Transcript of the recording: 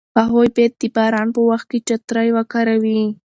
هغوی باید د باران په وخت کې چترۍ وکاروي.